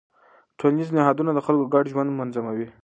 ټولنیز نهادونه د خلکو ګډ ژوند منظموي.